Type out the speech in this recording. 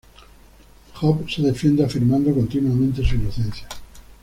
Job se defiende afirmando continuamente su inocencia.